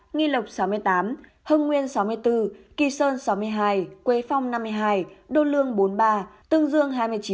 nghi lộc sáu mươi tám hưng nguyên sáu mươi bốn kỳ sơn sáu mươi hai quế phong năm mươi hai đô lương bốn mươi ba tương dương hai mươi chín